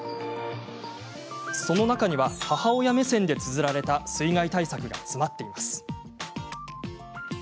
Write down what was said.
その中には母親目線でつづられた水害対策が詰まっています。